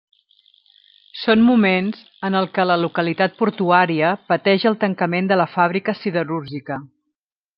Són moments en el que la localitat portuària pateix el tancament de la fàbrica siderúrgica.